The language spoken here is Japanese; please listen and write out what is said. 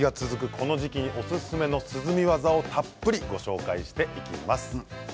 この時期におすすめの涼み技をたっぷりご紹介していきます。